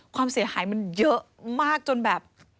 ความเสียหายมันเยอะมากจนแบบ